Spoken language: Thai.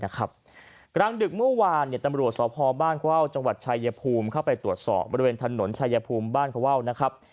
กลางดึกเมื่อวานตำรวจสพบ้านเข้าจังหวัดชายภูมิเข้าไปตรวจสอบบริเวณถนนชายภูมิบ้านเขาว่าวนะครับ